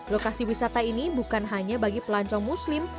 lokasi wisata ini bukan hanya bagi pelancong muslim